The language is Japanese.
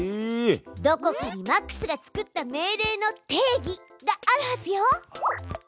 どこかにマックスが作った命令の「定義」があるはずよ！